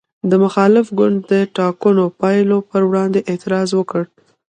د مخالف ګوند د ټاکنو پایلو پر وړاندې اعتراض وکړ.